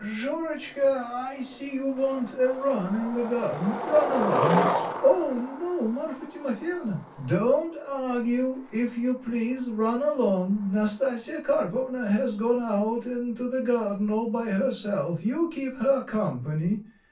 Shurotchka, I see you want a run in the garden run along." "Oh, no, Marfa Timofyevna." "Don't argue, if you please, run along. Nastasya Karpovna has gone out into the garden all by herself; you keep her company.